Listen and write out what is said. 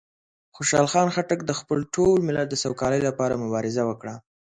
خوشحال خان خټک د خپل ټول ملت د سوکالۍ لپاره مبارزه وکړه.